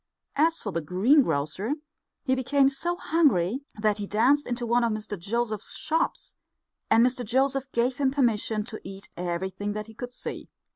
As for the greengrocer, he became so hungry that he danced into one of Mr Joseph's shops, and Mr Joseph gave him permission to eat everything that he could see.